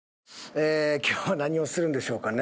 えー今日は何をするんでしょうかね？